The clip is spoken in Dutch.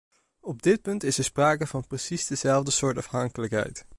Op dit punt is er sprake van precies dezelfde soort afhankelijkheid.